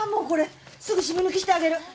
これすぐ染み抜きしてあげる。